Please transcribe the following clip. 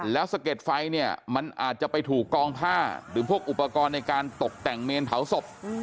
แล้วสะเก็ดไฟเนี่ยมันอาจจะไปถูกกองผ้าหรือพวกอุปกรณ์ในการตกแต่งเมนเผาศพ